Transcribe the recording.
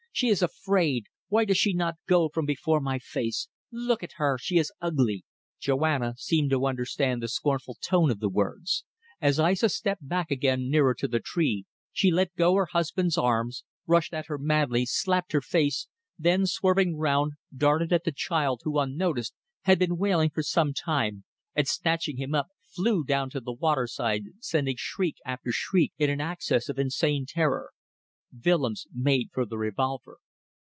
She is afraid. Why does she not go from before my face? Look at her. She is ugly." Joanna seemed to understand the scornful tone of the words. As Aissa stepped back again nearer to the tree she let go her husband's arm, rushed at her madly, slapped her face, then, swerving round, darted at the child who, unnoticed, had been wailing for some time, and, snatching him up, flew down to the waterside, sending shriek after shriek in an access of insane terror. Willems made for the revolver.